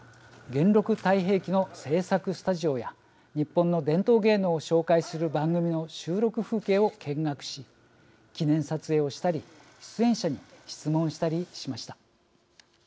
「元禄太平記」の制作スタジオや日本の伝統芸能を紹介する番組の収録風景を見学し記念撮影をしたり出演者に質問したりしました。